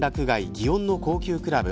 祇園の高級クラブ。